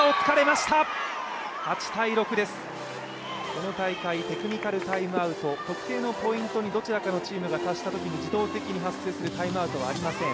この大会テクニカルタイムアウト特定のポイントにどちらかのチームが達したときに自動的に発生するタイムアウトはありません。